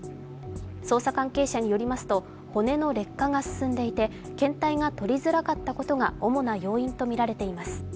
捜査関係者によりますと骨の劣化が進んでいて検体が取りづらかったことが主な要因とみられています。